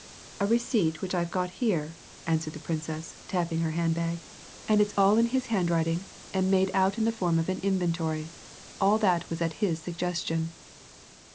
"A receipt which I've got here," answered the Princess, tapping her hand bag. "And it's all in his handwriting, and made out in the form of an inventory all that was at his suggestion."